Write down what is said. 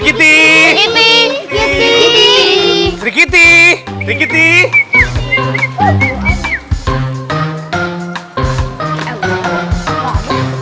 kan setelah ibu lolong hawaii